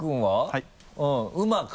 はい。